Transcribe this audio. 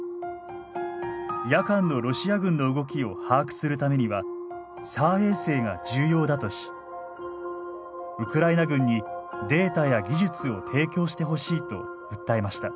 夜間のロシア軍の動きを把握するためにはＳＡＲ衛星が重要だとしウクライナ軍にデータや技術を提供してほしいと訴えました。